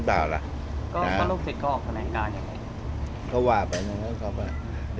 เขาว่าไปนะเขาว่าไป